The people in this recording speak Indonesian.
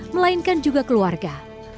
melainkan juga keluarga